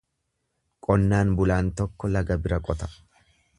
Qonnaan bulaan tokko laga bira qota.